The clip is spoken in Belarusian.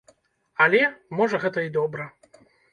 Але, можа, гэта і добра.